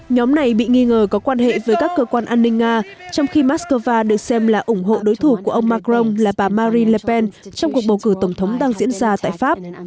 nhóm này bị nghi ngờ có quan hệ với các cơ quan an ninh nga trong khi moscow được xem là ủng hộ đối thủ của ông macron là bà marine lepen trong cuộc bầu cử tổng thống đang diễn ra tại pháp